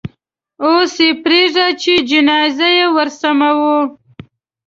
اوس یې پرېږده چې جنازه یې ورسموي.